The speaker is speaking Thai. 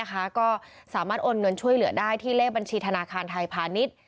ก็สามารถโอนเงินช่วยเหลือได้ที่เลขบัญชีธนาคารไทยพาณิชย์